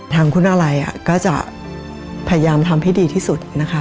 ทางคุณอะไรก็จะพยายามทำให้ดีที่สุดนะคะ